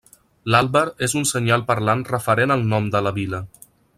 L'àlber és un senyal parlant referent al nom de la vila.